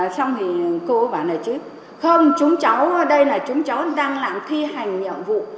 xong thì cô bảo này chứ không chúng cháu đây là chúng cháu đang làm thi hành nhiệm vụ